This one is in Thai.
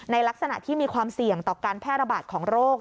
ลักษณะที่มีความเสี่ยงต่อการแพร่ระบาดของโรค